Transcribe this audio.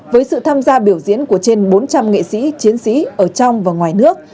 với sự tham gia biểu diễn của trên bốn trăm linh nghệ sĩ chiến sĩ ở trong và ngoài nước